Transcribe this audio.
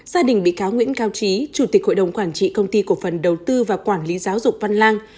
gia đình bị cáo nguyễn cao trí chủ tịch hội đồng quản trị công ty cổ phần đầu tư và quản lý giáo dục văn lang